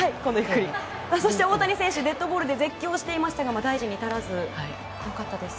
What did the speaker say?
そして大谷選手デッドボールで絶叫していましたが大事には至らず良かったです。